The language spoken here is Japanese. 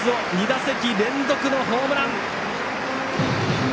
２打席連続のホームラン。